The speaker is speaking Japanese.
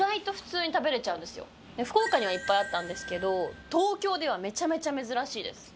福岡にはいっぱいあったんですけど東京ではめちゃめちゃ珍しいです。